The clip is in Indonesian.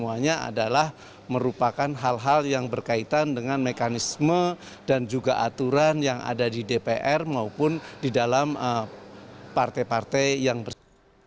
semuanya adalah merupakan hal hal yang berkaitan dengan mekanisme dan juga aturan yang ada di dpr maupun di dalam partai partai yang bersangkutan